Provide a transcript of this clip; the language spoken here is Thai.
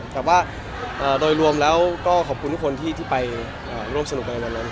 แต่ว่ารวมแล้วก็ขอบคุณที่ไปร่วมสนุกกันวันนี้